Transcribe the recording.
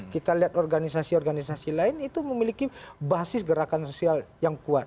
kita lihat organisasi organisasi lain itu memiliki basis gerakan sosial yang kuat